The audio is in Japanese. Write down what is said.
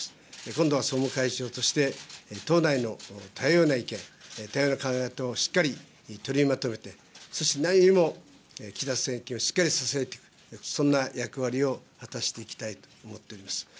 今度は総務会長して、党内の多様な意見、多様な課題をしっかり取りまとめて、そして何よりも岸田政権をしっかり支えて、そんな役割を果たしていきたいと思っております。